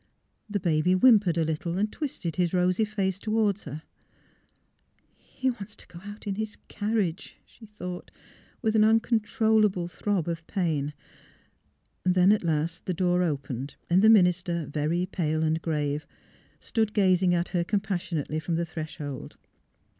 ... The baby whimpered a little and twisted his rosy face toward hers. '' He wants to go out in his carriage," she thought, with an un controllable throb of pain. ... Then at last the door opened, and the minister, very pale and grave, stood gazing at her compassionately from the threshold.